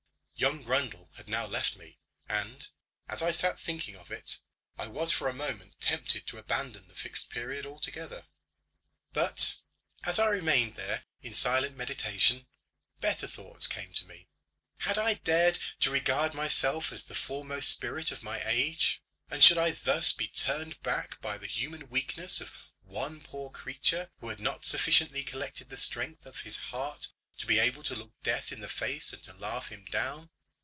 Young Grundle had now left me, and as I sat thinking of it I was for a moment tempted to abandon the Fixed Period altogether. But as I remained there in silent meditation, better thoughts came to me. Had I dared to regard myself as the foremost spirit of my age, and should I thus be turned back by the human weakness of one poor creature who had not sufficiently collected the strength of his heart to be able to look death in the face and to laugh him down.